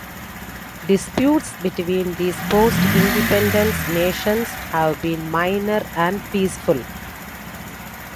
Disputes between these post-independence nations have been minor and peaceful.